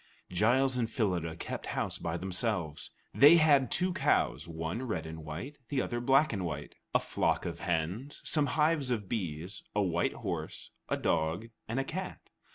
Giles and Phyllida kept house by themselves. They had two cows, one red and white, the other black and white, a flock of hens, some hives of bees, a white horse, a dog, and a cat.